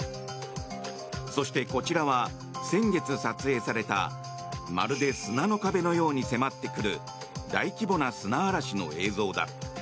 そして、こちらは先月撮影されたまるで砂の壁のように迫ってくる大規模な砂嵐の映像だ。